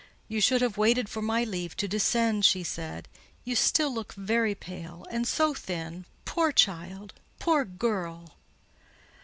"You should have waited for my leave to descend," she said. "You still look very pale—and so thin! Poor child!—poor girl!"